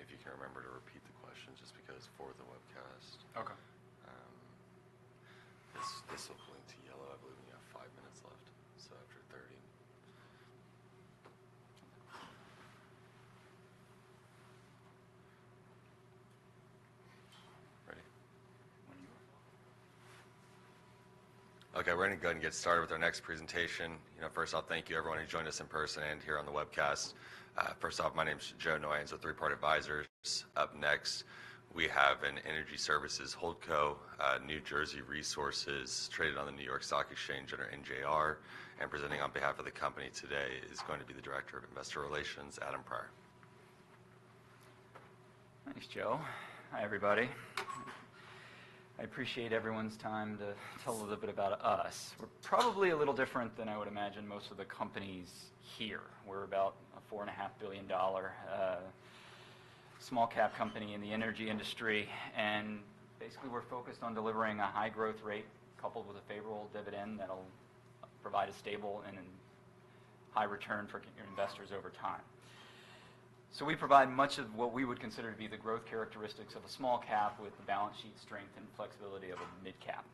And then, for like Q&A, if you can remember to repeat the question, just because for the webcast. Okay. This will point to yellow. I believe we have five minutes left, so after 30. Ready? Okay, we're gonna go ahead and get started with our next presentation. You know, first off, thank you everyone who joined us in person and here on the webcast. First off, my name is Joe Noyons with Three Part Advisors. Up next, we have an Energy Services holdco, New Jersey Resources, traded on the New York Stock Exchange under NJR. Presenting on behalf of the company today is going to be the Director of Investor Relations, Adam Prior. Thanks, Joe. Hi, everybody. I appreciate everyone's time. To tell a little bit about us, we're probably a little different than I would imagine most of the companies here. We're about a $4.5 billion small cap company in the energy industry, and basically, we're focused on delivering a high growth rate coupled with a favorable dividend that'll provide a stable and high return for investors over time. So we provide much of what we would consider to be the growth characteristics of a small cap with the balance sheet strength and flexibility of a mid cap.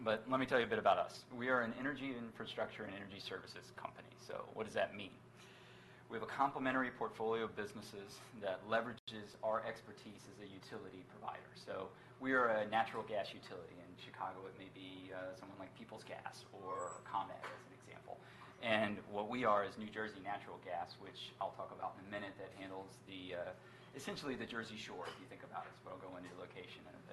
But let me tell you a bit about us. We are an energy infrastructure and Energy Services company. So what does that mean? We have a complementary portfolio of businesses that leverages our expertise as a utility provider. So we are a natural gas utility. In Chicago, it may be someone like Peoples Gas or ComEd, as an example. What we are is New Jersey Natural Gas, which I'll talk about in a minute, that handles essentially the Jersey Shore, if you think about it, but I'll go into location in a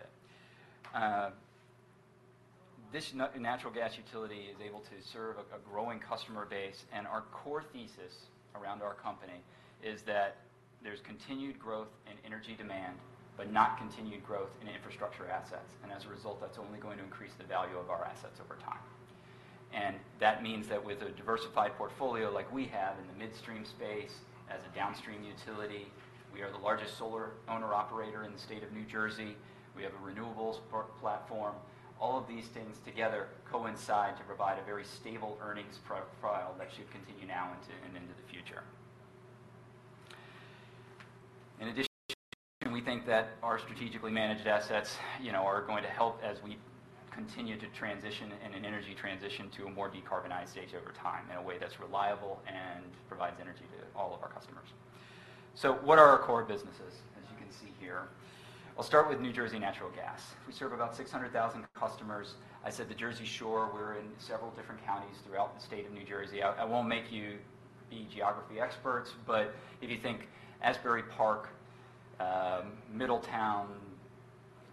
bit. This natural gas utility is able to serve a growing customer base, and our core thesis around our company is that there's continued growth in energy demand, but not continued growth in infrastructure assets. As a result, that's only going to increase the value of our assets over time. That means that with a diversified portfolio like we have in the midstream space, as a downstream utility, we are the largest solar owner-operator in the state of New Jersey. We have a renewables platform. All of these things together coincide to provide a very stable earnings profile that should continue now into, and into the future. In addition, we think that our strategically managed assets, you know, are going to help as we continue to transition in an energy transition to a more decarbonized stage over time, in a way that's reliable and provides energy to all of our customers. So what are our core businesses? As you can see here, I'll start with New Jersey Natural Gas. We serve about six hundred thousand customers. I said the Jersey Shore. We're in several different counties throughout the state of New Jersey. I won't make you be geography experts, but if you think Asbury Park, Middletown,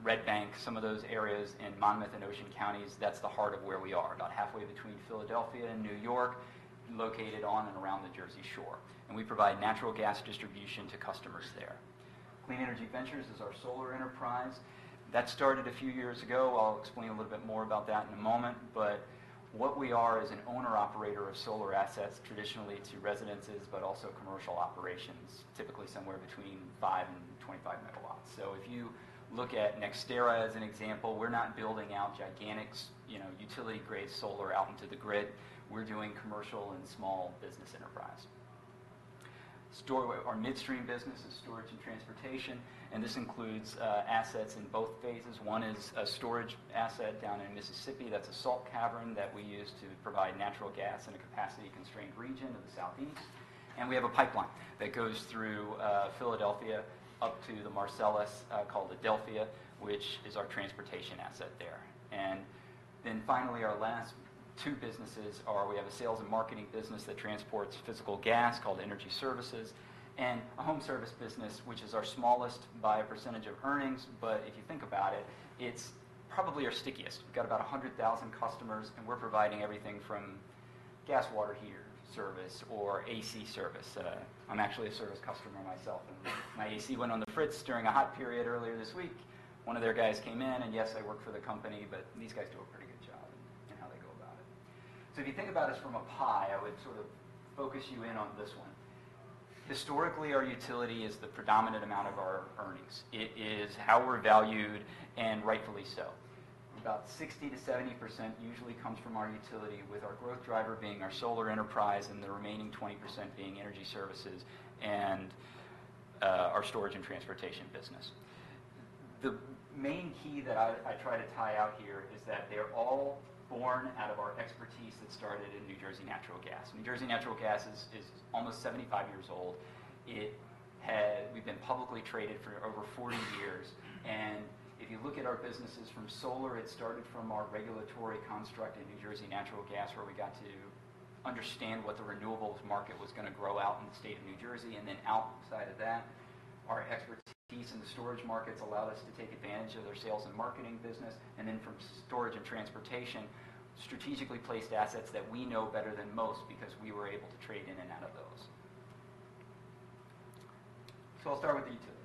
Red Bank, some of those areas in Monmouth and Ocean Counties, that's the heart of where we are, about halfway between Philadelphia and New York, located on and around the Jersey Shore, and we provide natural gas distribution to customers there. Clean Energy Ventures is our solar enterprise. That started a few years ago. I'll explain a little bit more about that in a moment, but what we are is an owner-operator of solar assets, traditionally to residences, but also commercial operations, typically somewhere between five and 25MW. So if you look at NextEra as an example, we're not building out gigantic you know, utility-grade solar out into the grid. We're doing commercial and small business enterprise. Our midstream business is storage and transportation, and this includes assets in both phases. One is a storage asset down in Mississippi. That's a salt cavern that we use to provide natural gas in a capacity-constrained region of the Southeast. And we have a pipeline that goes through Philadelphia up to the Marcellus, called Adelphia, which is our transportation asset there. And then finally, our last two businesses are: we have a sales and marketing business that transports physical gas, called Energy Services, and a home service business, which is our smallest by percentage of earnings, but if you think about it, it's probably our stickiest. We've got about 100,000 customers, and we're providing everything from gas, water heater service, or AC service. I'm actually a service customer myself, and my AC went on the fritz during a hot period earlier this week. One of their guys came in, and yes, I work for the company, but these guys do a pretty good job in how they go about it, so if you think about us from a pie, I would sort of focus you in on this one. Historically, our utility is the predominant amount of our earnings. It is how we're valued, and rightfully so. About 60%-70% usually comes from our utility, with our growth driver being our solar enterprise, and the remaining 20% being Energy Services and our storage and transportation business. The main key that I try to tie out here is that they're all born out of our expertise that started in New Jersey Natural Gas. New Jersey Natural Gas is almost 75 years old. It had... We've been publicly traded for over 40 years, and if you look at our businesses from solar, it started from our regulatory construct in New Jersey Natural Gas, where we got to understand what the renewables market was gonna grow out in the state of New Jersey. And then outside of that, our expertise in the storage markets allowed us to take advantage of their sales and marketing business, and then from storage and transportation, strategically placed assets that we know better than most because we were able to trade in and out of those. So I'll start with the utility.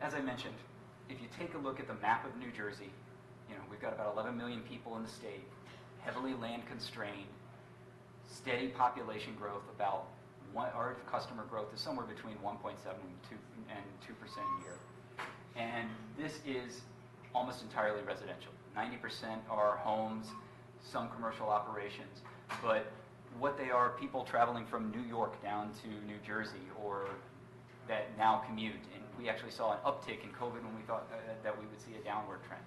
As I mentioned, if you take a look at the map of New Jersey, you know, we've got about 11 million people in the state, heavily land-constrained, steady population growth. About our customer growth is somewhere between 1.7%-2% a year. This is almost entirely residential. 90% are homes, some commercial operations, but what they are, people traveling from New York down to New Jersey or that now commute, and we actually saw an uptick in COVID, when we thought that we would see a downward trend.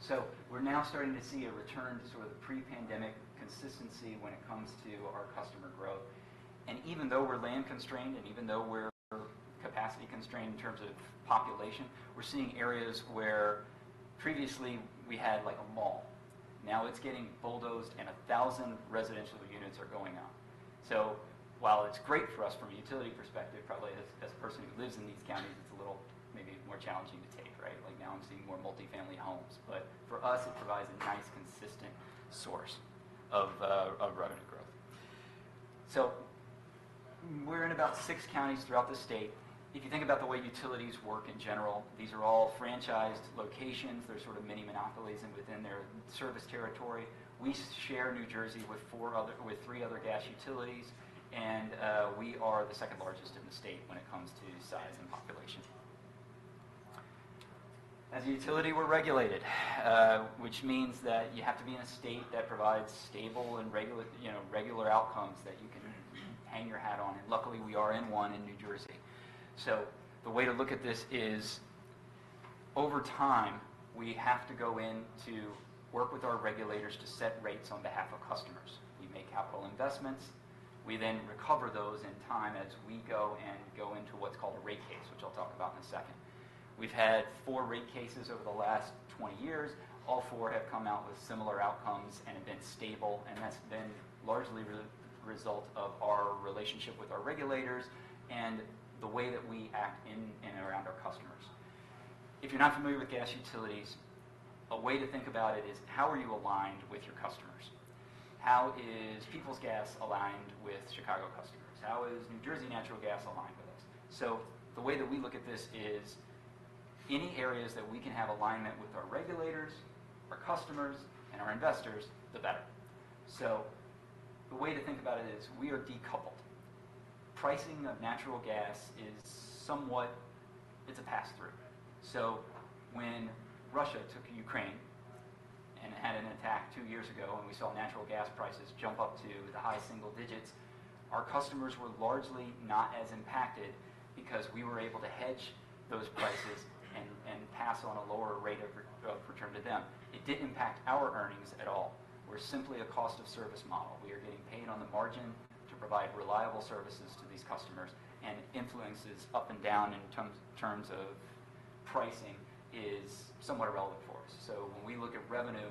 So we're now starting to see a return to sort of pre-pandemic consistency when it comes to our customer growth. And even though we're land-constrained and even though we're capacity-constrained in terms of population, we're seeing areas where previously we had, like, a mall. Now it's getting bulldozed, and 1,000 residential units are going up. So while it's great for us from a utility perspective, probably as a person who lives in these counties, it's a little maybe more challenging to take, right? Like, now I'm seeing more multifamily homes. But for us, it provides a nice, consistent source of revenue growth. So we're in about six counties throughout the state. If you think about the way utilities work in general, these are all franchised locations. They're sort of mini monopolies, and within their service territory, we share New Jersey with three other gas utilities, and we are the second-largest in the state when it comes to size and population. As a utility, we're regulated, which means that you have to be in a state that provides stable and regular, you know, regular outcomes that you can hang your hat on, and luckily, we are in one in New Jersey. So the way to look at this is, over time, we have to go in to work with our regulators to set rates on behalf of customers. We make capital investments. We then recover those in time as we go and go into what's called a rate case, which I'll talk about in a second. We've had four rate cases over the last 20 years. All four have come out with similar outcomes and have been stable, and that's been largely the result of our relationship with our regulators and the way that we act in and around our customers. If you're not familiar with gas utilities, a way to think about it is: How are you aligned with your customers? How is Peoples Gas aligned with Chicago customers? How is New Jersey Natural Gas aligned with us? So the way that we look at this is any areas that we can have alignment with our regulators, our customers, and our investors, the better. So the way to think about it is we are decoupled. Pricing of natural gas is somewhat... It's a pass-through, so when Russia took Ukraine and had an attack two years ago, and we saw natural gas prices jump up to the high single digits, our customers were largely not as impacted because we were able to hedge those prices and pass on a lower rate of return to them. It didn't impact our earnings at all. We're simply a cost-of-service model. We are getting paid on the margin to provide reliable services to these customers, and influences up and down in terms of pricing is somewhat irrelevant for us, so when we look at revenue,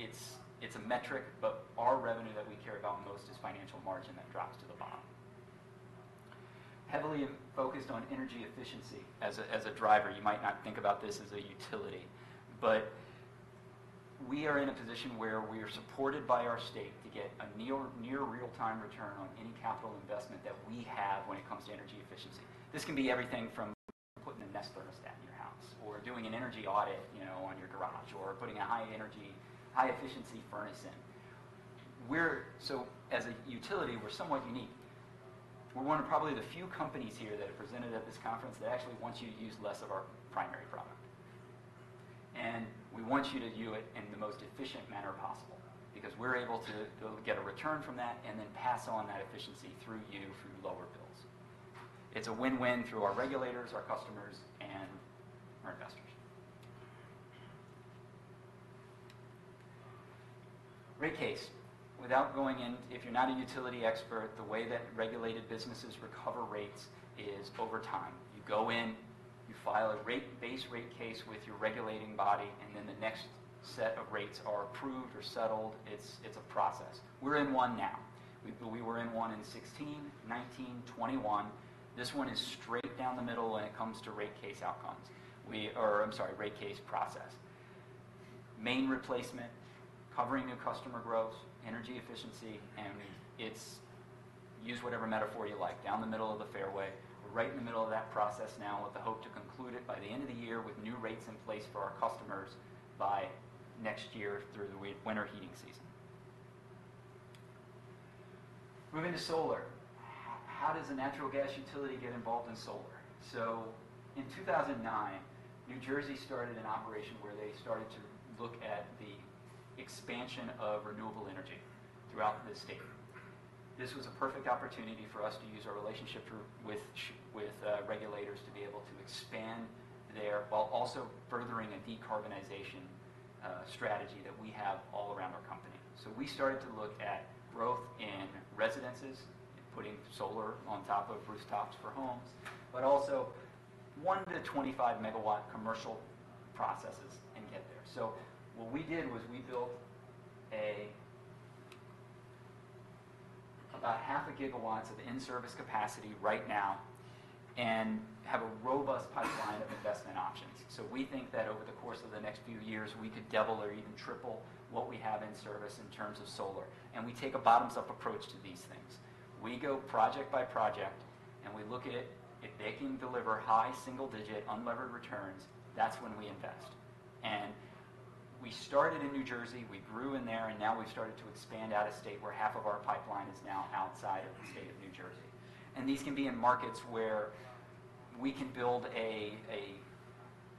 it's a metric, but our revenue that we care about most is financial margin that drops to the bottom. Heavily focused on energy efficiency as a driver, you might not think about this as a utility, but we are in a position where we are supported by our state to get a near real-time return on any capital investment that we have when it comes to energy efficiency. This can be everything from putting a Nest thermostat in your house or doing an energy audit, you know, on your garage or putting a high-energy, high-efficiency furnace in. So as a utility, we're somewhat unique. We're one of probably the few companies here that have presented at this conference that actually wants you to use less of our primary product, and we want you to view it in the most efficient manner possible because we're able to go get a return from that and then pass on that efficiency through you through lower bills. It's a win-win through our regulators, our customers, and our investors. Rate case. Without going in, if you're not a utility expert, the way that regulated businesses recover rates is over time. You go in, you file a rate, base rate case with your regulating body, and then the next set of rates are approved or settled. It's a process. We're in one now. We were in one in 2016, 2019, 2021. This one is straight down the middle when it comes to rate case outcomes. Or I'm sorry, rate case process. Main replacement, covering new customer growth, energy efficiency, and it's use whatever metaphor you like, down the middle of the fairway. We're right in the middle of that process now with the hope to conclude it by the end of the year, with new rates in place for our customers by next year, through the winter heating season. Moving to solar. How does a natural gas utility get involved in solar? So in two thousand and nine, New Jersey started an operation where they started to look at the expansion of renewable energy throughout the state. This was a perfect opportunity for us to use our relationship with regulators to be able to expand there, while also furthering a decarbonization strategy that we have all around our company. So we started to look at growth in residences, putting solar on top of rooftops for homes, but also one to 25MW commercial processes and get there. So what we did was we built a... About 0.5GW of in-service capacity right now and have a robust pipeline of investment options. So we think that over the course of the next few years, we could double or even triple what we have in service in terms of solar, and we take a bottoms-up approach to these things. We go project by project, and we look at it. If they can deliver high single-digit unlevered returns, that's when we invest. We started in New Jersey, we grew in there, and now we've started to expand out of state where half of our pipeline is now outside of the state of New Jersey. These can be in markets where we can build a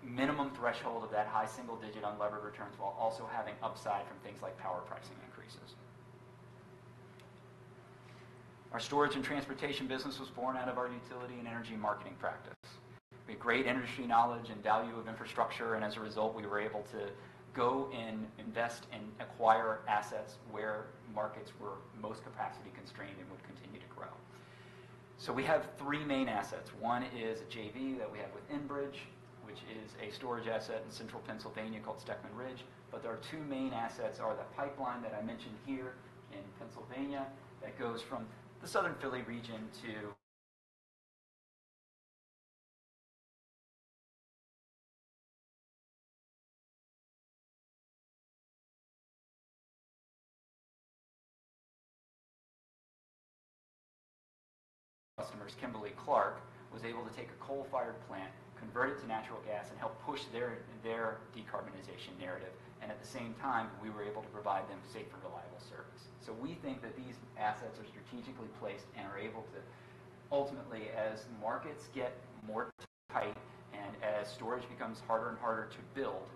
minimum threshold of that high single-digit levered returns, while also having upside from things like power pricing increases. Our storage and transportation business was born out of our utility and energy marketing practice. We have great industry knowledge and value of infrastructure, and as a result, we were able to go and invest and acquire assets where markets were most capacity constrained and would continue to grow. So we have three main assets. One is a JV that we have with Enbridge, which is a storage asset in central Pennsylvania called Steckman Ridge. But there are two main assets, are the pipeline that I mentioned here in Pennsylvania that goes from the southern Philly region to customers. Kimberly-Clark was able to take a coal-fired plant, convert it to natural gas, and help push their decarbonization narrative, and at the same time, we were able to provide them safe and reliable service. So we think that these assets are strategically placed and are able to... Ultimately, as markets get more tight and as storage becomes harder and harder to build,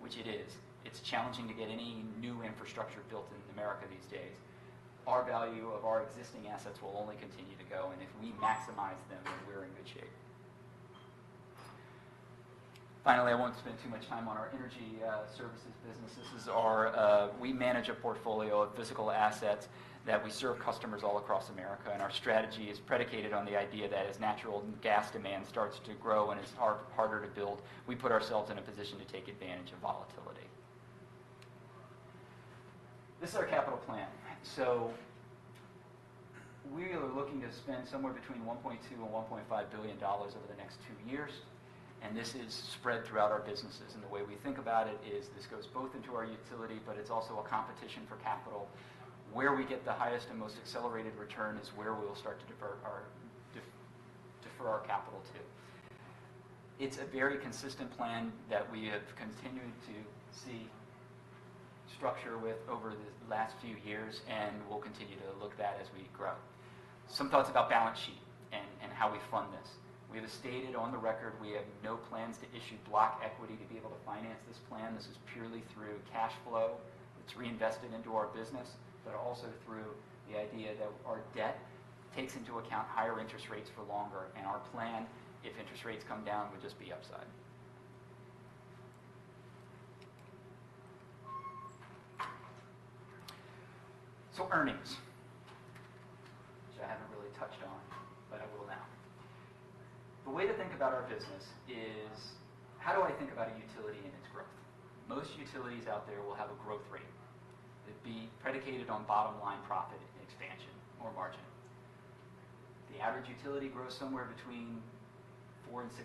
which it is, it's challenging to get any new infrastructure built in America these days. Our value of our existing assets will only continue to go, and if we maximize them, then we're in good shape. Finally, I won't spend too much time on our Energy Services business. This is our. We manage a portfolio of physical assets that we serve customers all across America, and our strategy is predicated on the idea that as natural gas demand starts to grow and it's harder to build, we put ourselves in a position to take advantage of volatility. This is our capital plan. So we are looking to spend somewhere between $1.2 billion and $1.5 billion over the next two years, and this is spread throughout our businesses. And the way we think about it is this goes both into our utility, but it's also a competition for capital. Where we get the highest and most accelerated return is where we will start to divert or defer our capital to. It's a very consistent plan that we have continued to see structure with over the last few years, and we'll continue to look at that as we grow. Some thoughts about balance sheet and how we fund this. We have stated on the record we have no plans to issue block equity to be able to finance this plan. This is purely through cash flow. It's reinvested into our business, but also through the idea that our debt takes into account higher interest rates for longer, and our plan, if interest rates come down, would just be upside. Earnings, which I haven't really touched on, but I will now. The way to think about our business is: how do I think about a utility and its growth? Most utilities out there will have a growth rate that'd be predicated on bottom-line profit and expansion or margin. The average utility grows somewhere between 4% and 6%.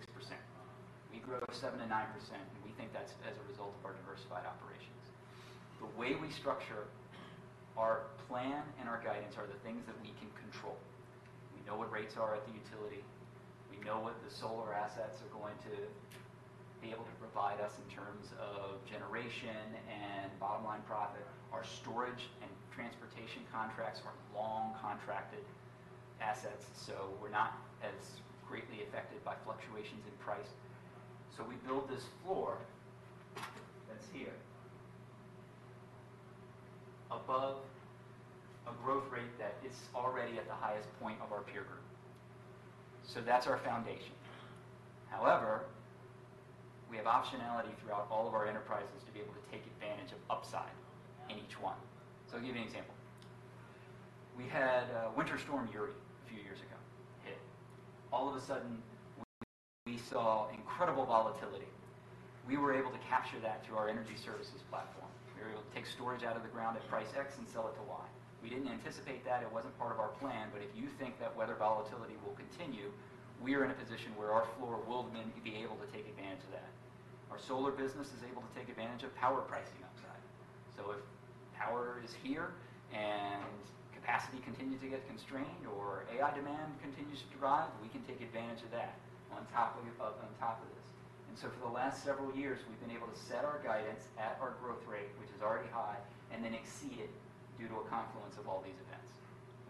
We grow 7% to 9%, and we think that's as a result of our diversified operations. The way we structure our plan and our guidance are the things that we can control. We know what rates are at the utility. We know what the solar assets are going to be able to provide us in terms of generation and bottom-line profit. Our storage and transportation contracts are long-contracted assets, so we're not as greatly affected by fluctuations in price. So we build this floor that's here above a growth rate that is already at the highest point of our peer group. So that's our foundation. However, we have optionality throughout all of our enterprises to be able to take advantage of upside in each one. So I'll give you an example. We had a Winter Storm Uri a few years ago hit. All of a sudden, we saw incredible volatility. We were able to capture that through our Energy Services platform. We were able to take storage out of the ground at price X and sell it to Y. We didn't anticipate that; it wasn't part of our plan. But if you think that weather volatility will continue, we are in a position where our floor will then be able to take advantage of that. Our solar business is able to take advantage of power pricing upside. So if power is here and capacity continues to get constrained or AI demand continues to drive, we can take advantage of that on top of, on top of this. And so for the last several years, we've been able to set our guidance at our growth rate, which is already high, and then exceed it due to a confluence of all these events,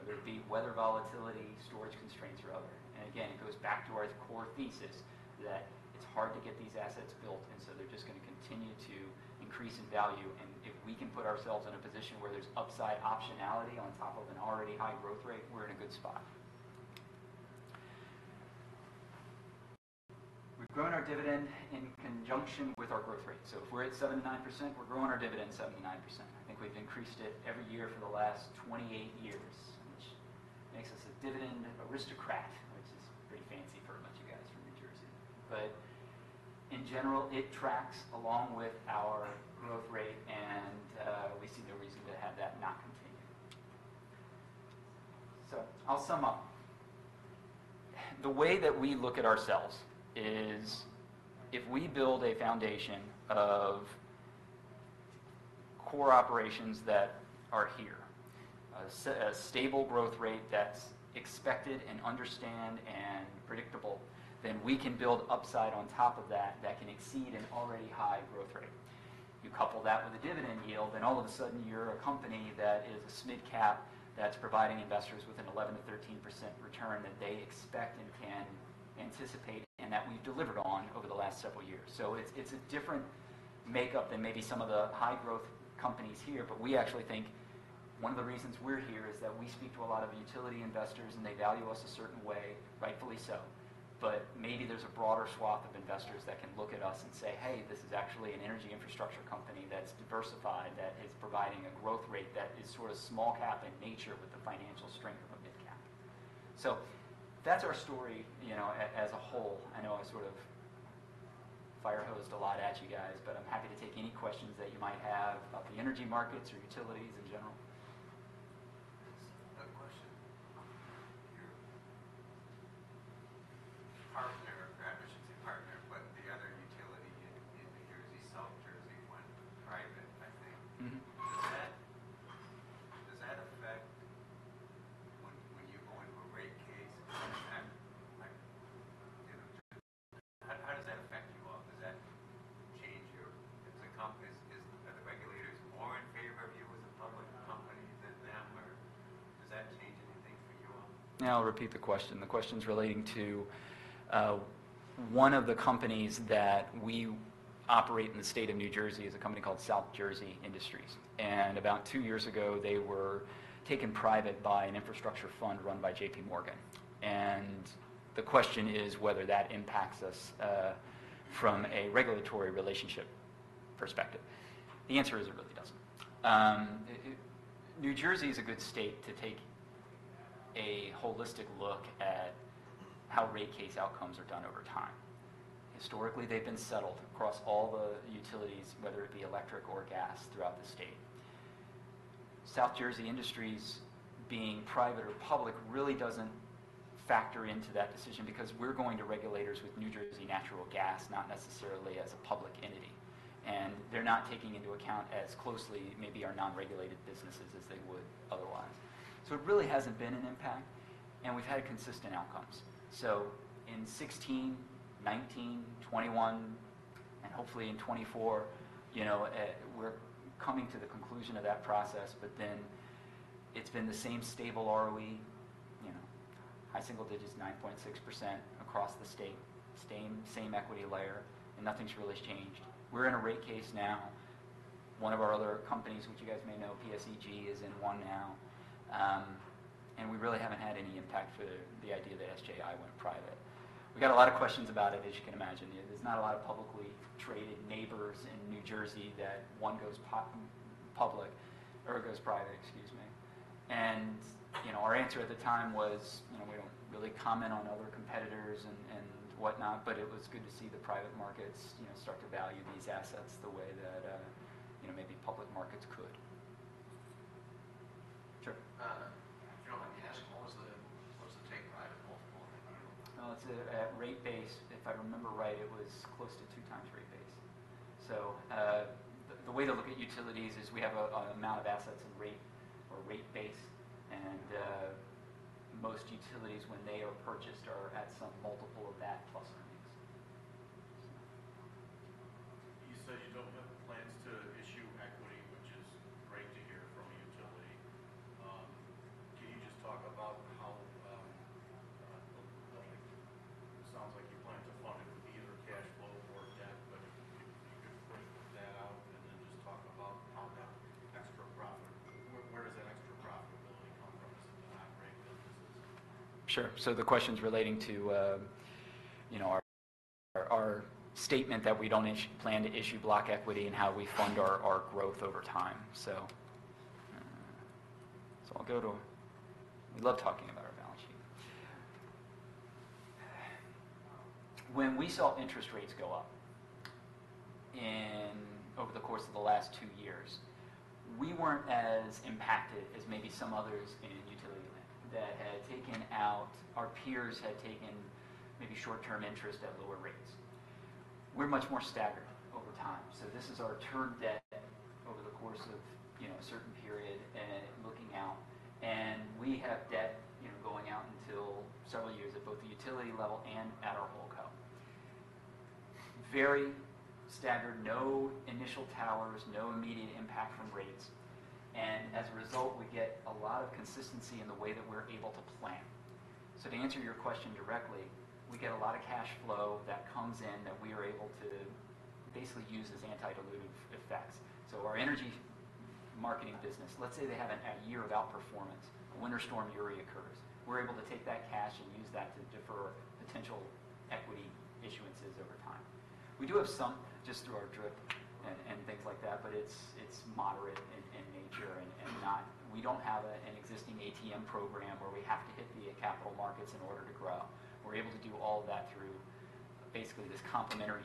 whether it be weather volatility, storage constraints, or other. And again, it goes back to our core thesis that it's hard to get these assets built, and so they're just going to continue to increase in value. And if we can put ourselves in a position where there's upside optionality on top of an already high growth rate, we're in a good spot. We've grown our dividend in conjunction with our growth rate. If we're at 7%-9%, we're growing our dividend 7%-9%. I think we've increased it every year for the last 28 years, which makes us a Dividend Aristocrat, which is pretty fancy for a bunch of guys from New Jersey. But in general, it tracks along with our growth rate, and we see no reason to have that not continue. I'll sum up. The way that we look at ourselves is if we build a foundation of core operations that are here, so a stable growth rate that's expected, and understandable, and predictable, then we can build upside on top of that, that can exceed an already high growth rate. You couple that with a dividend yield, and all of a sudden, you're a company that is a SMID cap, that's providing investors with an 11%-13% return that they expect and can anticipate, and that we've delivered on over the last several years. So it's a different makeup than maybe some of the high growth companies here, but we actually think one of the reasons we're here is that we speak to a lot of utility investors, and they value us a certain way, rightfully so. But maybe there's a broader swath of investors that can look at us and say, "Hey, this is actually an energy infrastructure company that's diversified, that is providing a growth rate that is sort of small cap in nature with the financial strength of a mid cap." So that's our story, you know, as a whole. I know I sort of fire hosed a lot at you guys, but I'm happy to take any questions that you might have about the energy markets or utilities in general. Just a question. Your partner, or I wish it's your partner, but the other utility in New Jersey, South Jersey, went private, I think. Mm-hmm. Does that affect when you go into a rate case, does that, like? How does that affect you all? Does that change your-- Does the comp... Are the regulators more in favor of you as a public company than them, or does that change anything for you all? Now, I'll repeat the question. The question's relating to one of the companies that we operate in the state of New Jersey, is a company called South Jersey Industries, and about two years ago, they were taken private by an infrastructure fund run by JPMorgan, and the question is whether that impacts us from a regulatory relationship perspective. The answer is, it really doesn't. New Jersey is a good state to take a holistic look at how rate case outcomes are done over time. Historically, they've been settled across all the utilities, whether it be electric or gas, throughout the state. South Jersey Industries, being private or public, really doesn't factor into that decision because we're going to regulators with New Jersey Natural Gas, not necessarily as a public entity. They're not taking into account as closely, maybe our non-regulated businesses as they would otherwise. It really hasn't been an impact, and we've had consistent outcomes. In 2016, 2019, 2021, and hopefully in 2024, you know, we're coming to the conclusion of that process, but then it's been the same stable ROE, you know, high single digits, 9.6% across the state. Same, same equity layer, and nothing's really changed. We're in a rate case now. One of our other companies, which you guys may know, PSEG, is in one now, and we really haven't had any impact for the idea that SJI went private. We got a lot of questions about it, as you can imagine. There's not a lot of publicly traded neighbors in New Jersey that one goes public or goes private, excuse me. You know, our answer at the time was, you know, we don't really comment on other competitors and whatnot, but it was good to see the private markets, you know, start to value these assets the way that, you know, maybe public markets could. Sure? If you don't mind me asking, what was the take private multiple on that deal? It's at rate base, if I remember right, it was close to two times rate base. So, the way to look at utilities is we have an amount of assets and rate base, and most utilities when they are purchased are at some multiple of that plus earnings. You said you don't have plans to issue equity, which is great to hear from a utility. Can you just talk about how it sounds like you plan to fund it with either cash flow or debt, but if you could put that out and then just talk about how that extra profit. Where does that extra profitability come from, from operating businesses? Sure. So the question's relating to, you know, our statement that we don't issue, plan to issue block equity and how we fund our growth over time. So I'll go to. We love talking about our balance sheet. When we saw interest rates go up over the course of the last two years, we weren't as impacted as maybe some others in utility land. Our peers had taken maybe short-term interest at lower rates. We're much more staggered over time. So this is our term debt over the course of, you know, a certain period and looking out, and we have debt, you know, going out until several years at both the utility level and at our Holdco. Very staggered, no initial towers, no immediate impact from rates, and as a result, we get a lot of consistency in the way that we're able to plan. So to answer your question directly, we get a lot of cash flow that comes in that we are able to basically use as anti-dilutive effects. So our energy marketing business, let's say they have a year of outperformance. A Winter Storm Uri occurs. We're able to take that cash and use that to defer potential equity issuances over time. We do have some just through our DRIP and things like that, but it's moderate in nature and not... We don't have an existing ATM program where we have to hit the capital markets in order to grow. We're able to do all of that through basically this complementary,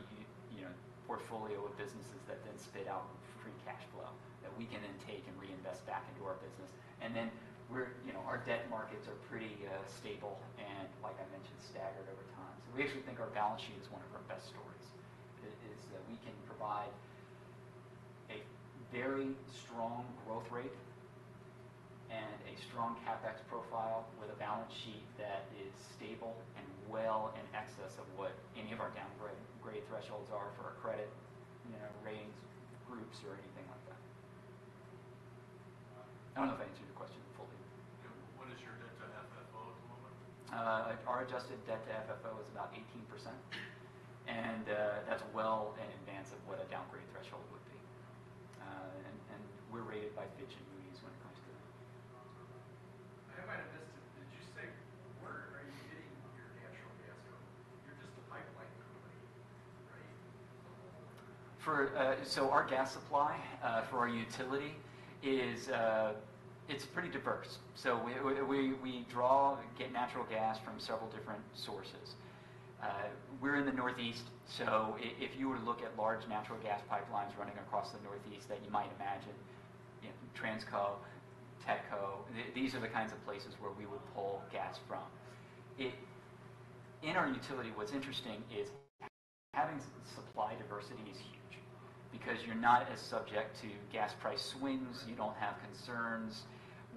you know, portfolio of businesses that then spit out free cash flow that we can invest back into our business. And then we're, you know, our debt markets are pretty stable and, like I mentioned, staggered over time. So we actually think our balance sheet is one of our best stories. It's that we can provide a very strong growth rate and a strong CapEx profile with a balance sheet that is stable and well in excess of what any of our downgrade grade thresholds are for our credit, you know, ratings, groups, or anything like that. I don't know if I answered your question fully. Yeah. What is your debt to FFO at the moment? Our adjusted debt to FFO is about 18%, and that's well in advance of what a downgrade threshold would be, and we're rated by Fitch and Moody's when it comes to that. I might have missed it. Did you say where are you getting your natural gas from? You're just a pipeline company, right? So our gas supply for our utility is, it's pretty diverse. So we get natural gas from several different sources. We're in the Northeast, so if you were to look at large natural gas pipelines running across the Northeast that you might imagine, you know, Transco, TETCO, these are the kinds of places where we would pull gas from. In our utility, what's interesting is having supply diversity is huge because you're not as subject to gas price swings. Right. You don't have concerns.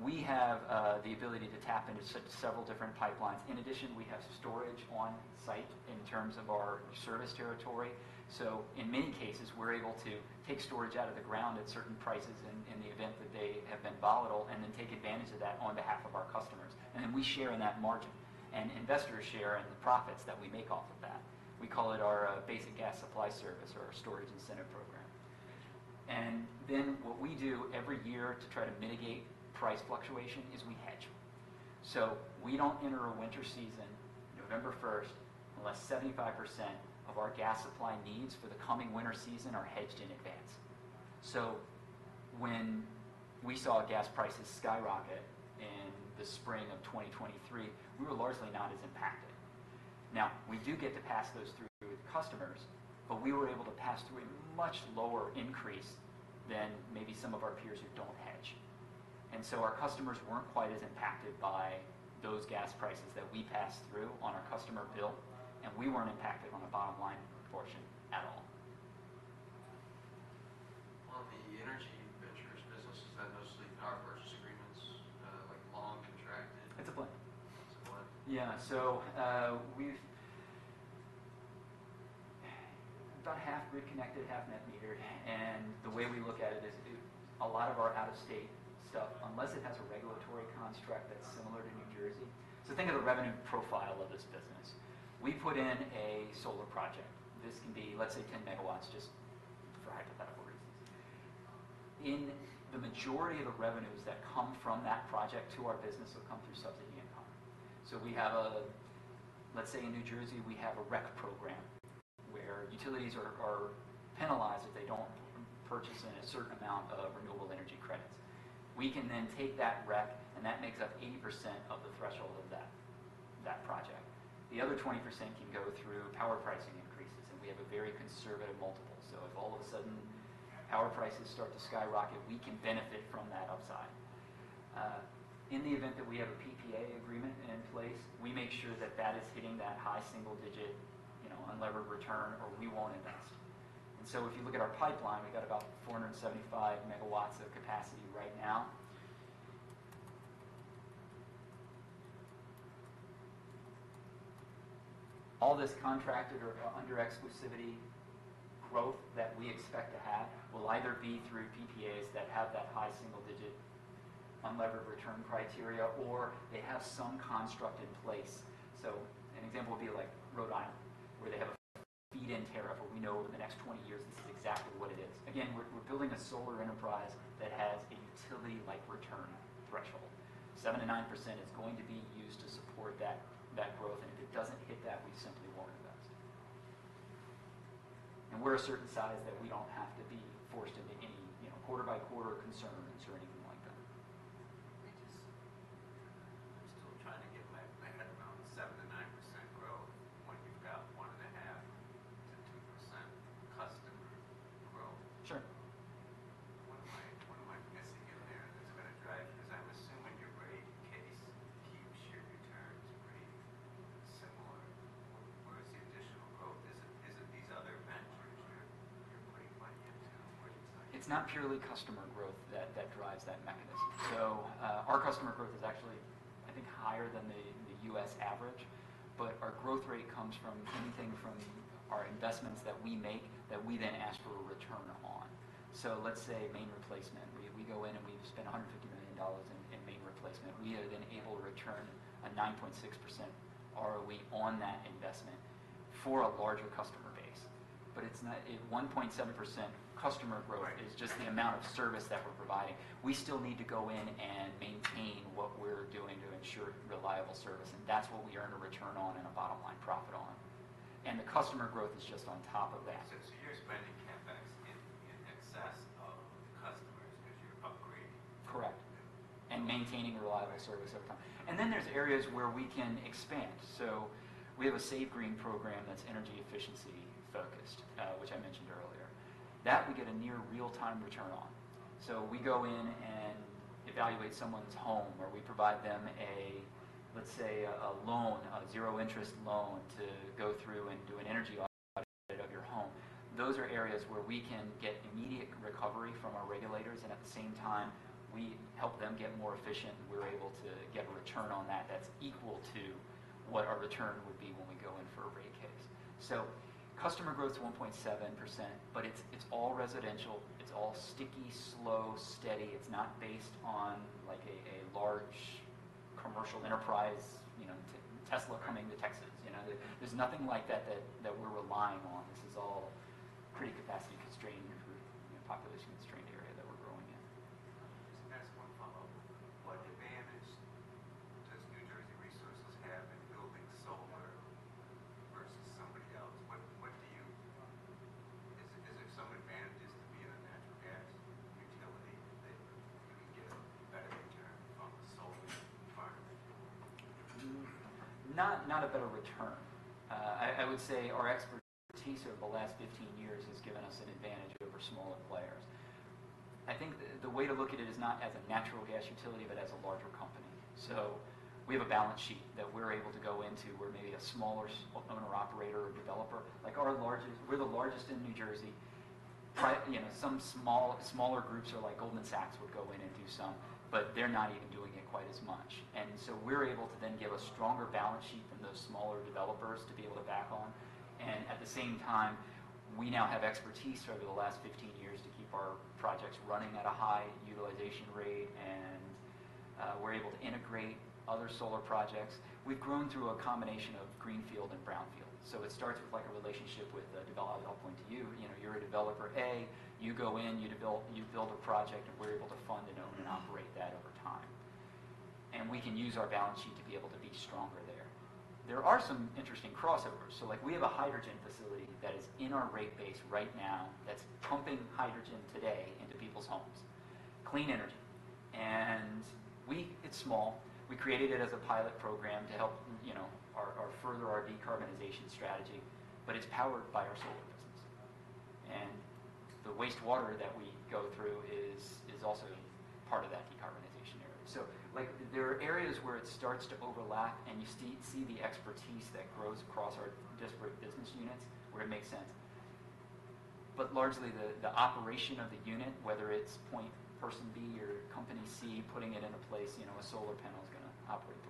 We have the ability to tap into several different pipelines. In addition, we have storage on site in terms of our service territory. So in many cases, we're able to take storage out of the ground at certain prices in the event that they have been volatile, and then take advantage of that on behalf of our customers. And then we share in that margin, and investors share in the profits that we make off of that. We call it our Basic Gas Supply Service or our Storage Incentive Program. And then what we do every year to try to mitigate price fluctuation is we hedge. So we don't enter a winter season, November first, unless 75% of our gas supply needs for the coming winter season are hedged in advance. So when we saw gas prices skyrocket in the spring of 2023, we were largely not as impacted. Now, we do get to pass those through to customers, but we were able to pass through a much lower increase than maybe some of our peers who don't hedge. And so our customers weren't quite as impacted by those gas prices that we passed through on our customer bill, and we weren't impacted on the bottom line portion at all. The Energy Ventures businesses, are those mostly power purchase agreements, like long contracted? It's a blend. It's a blend. Yeah. So, about half grid connected, half net metered, and the way we look at it is a lot of our out-of-state stuff, unless it has a regulatory construct that's similar to New Jersey. So think of the revenue profile of this business. We put in a solar project. This can be, let's say, 10MW, just for hypothetical reasons. In the majority of the revenues that come from that project to our business will come through subsidy income. So we have a, let's say in New Jersey, we have a REC program where utilities are penalized if they don't purchase in a certain amount of renewable energy credits. We can then take that REC, and that makes up 80% of the threshold of that project. The other 20% can go through power pricing increases, and we have a very conservative multiple. If all of a sudden power prices start to skyrocket, we can benefit from that upside. In the event that we have a PPA agreement in place, we make sure that that is hitting that high single digit, you know, unlevered return, or we won't invest. If you look at our pipeline, we've got about 475MW of capacity right now. All this contracted or under exclusivity growth that we expect to have will either be through PPAs that have that high single digit unlevered return criteria, or they have some construct in place. An example would be like Rhode Island, where they have a feed-in tariff, where we know over the next 20 years, this is exactly what it is. Again, we're building a solar enterprise that has a utility-like return threshold. 7%-9% is going to be used to support that, that growth, and if it doesn't hit that, we simply won't invest, and we're a certain size that we don't have to be forced into any, you know, quarter by quarter concerns or anything like that. We just- I'm still trying to get my head around the 7%-9% growth when you've got 1.5%-2% customer growth. Sure. What am I missing in there that's gonna drive... Because I'm assuming your rate case keeps your returns pretty similar, or where is the additional growth? Is it these other ventures you're putting money into, or is it- It's not purely customer growth that that drives that mechanism. So, our customer growth is actually, I think, higher than the U.S. average, but our growth rate comes from anything from our investments that we make, that we then ask for a return on. So let's say main replacement. We go in, and we spend $150 million in main replacement. We have been able to return a 9.6% ROE on that investment for a larger customer base. But it's not... A 1.7% customer growth- Right... is just the amount of service that we're providing. We still need to go in and maintain what we're doing to ensure reliable service, and that's what we earn a return on and a bottom-line profit on. And the customer growth is just on top of that. So, you're spending CapEx in excess of the customers as you're upgrading?... and maintaining a reliable service over time. Then there's areas where we can expand. So we have a SAVEGREEN program that's energy efficiency focused, which I mentioned earlier. That we get a near real-time return on. So we go in and evaluate someone's home, or we provide them, let's say, a zero-interest loan to go through and do an energy audit of your home. Those are areas where we can get immediate recovery from our regulators, and at the same time, we help them get more efficient. We're able to get a return on that that's equal to what our return would be when we go in for a rate case. So customer growth's 1.7%, but it's all residential, it's all sticky, slow, steady. It's not based on like a large commercial enterprise, you know, Tesla coming to Texas. You know, there's nothing like that that we're relying on. This is all pretty capacity-constrained growth, in a population-constrained area that we're growing in. Just to ask one follow-up: What advantage does New Jersey Resources have in building solar versus somebody else? What do you-- Is there some advantages to being a natural gas utility that you can get a better return from the solar environment? Not a better return. I would say our expertise over the last 15 years has given us an advantage over smaller players. I think the way to look at it is not as a natural gas utility, but as a larger company. So we have a balance sheet that we're able to go into, where maybe a smaller owner, operator or developer. Like, we're the largest in New Jersey. You know, some small, smaller groups or like Goldman Sachs would go in and do some, but they're not even doing it quite as much. And so we're able to then give a stronger balance sheet from those smaller developers to be able to back on, and at the same time, we now have expertise over the last fifteen years to keep our projects running at a high utilization rate, and we're able to integrate other solar projects. We've grown through a combination of greenfield and brownfield. So it starts with like a relationship with a developer. I'll point to you, you know, you're a developer A, you go in, you build a project, and we're able to fund and own and operate that over time. And we can use our balance sheet to be able to be stronger there. There are some interesting crossovers. So like we have a hydrogen facility that is in our rate base right now, that's pumping hydrogen today into people's homes, clean energy, and we... It's small. We created it as a pilot program to help, you know, our further our decarbonization strategy, but it's powered by our solar business, and the wastewater that we go through is also part of that decarbonization area, so like, there are areas where it starts to overlap, and you see the expertise that grows across our disparate business units where it makes sense, but largely, the operation of the unit, whether it's point person B or company C, putting it into place, you know, a solar panel is going to operate the way it does.